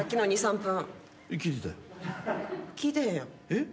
聞いてへんやん。